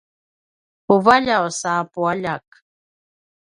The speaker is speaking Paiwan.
puvaljaw sa pualjak